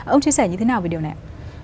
ông chia sẻ như thế nào về điều này